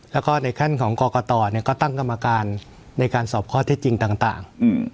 แล้วก็ในขั้นของกรกตก็ตั้งกรรมการในการสอบข้อเท็จจริงต่าง